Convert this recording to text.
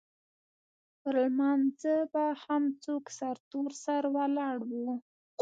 پر لمانځه به هم څوک سرتور سر ولاړ وو.